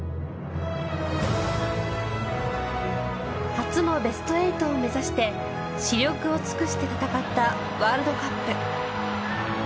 初のベスト８を目指して死力を尽くして戦ったワールドカップ。